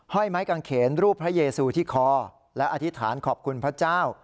้อยไม้กางเขนรูปพระเยซูที่คอและอธิษฐานขอบคุณพระเจ้า